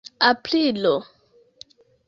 aprilo